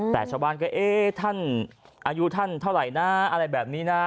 แต่ชาวบ้านก็เอ๊ะท่านอายุท่านเท่าไหร่นะอะไรแบบนี้นะ